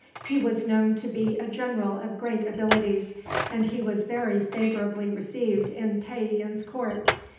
He was known to be a general of great abilities, and he was very favorably received in Tayian's court.